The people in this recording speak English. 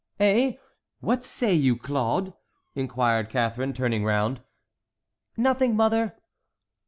"Eh! what say you, Claude?" inquired Catharine, turning round. "Nothing, mother."